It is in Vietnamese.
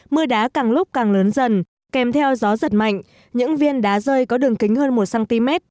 mưa đá càng lúc càng lớn dần kèm theo gió giật mạnh những viên đá rơi có đường kính hơn một cm